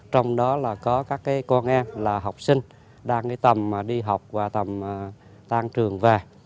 trong đó là có các con em là học sinh đang đi học và tăng trường về